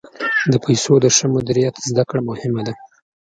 د پیسو د ښه مدیریت زده کړه مهمه ده.